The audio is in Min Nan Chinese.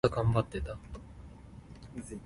落土時，八字命